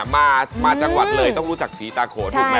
มาจังหวัดเลยต้องรู้จักผีตาโขนถูกไหม